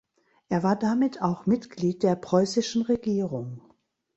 Er war damit auch Mitglied der preußischen Regierung.